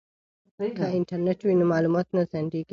که انټرنیټ وي نو معلومات نه ځنډیږي.